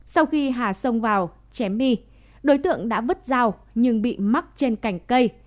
sau khi hà xông vào chém my đối tượng đã vứt dao nhưng bị mắc trên cành cây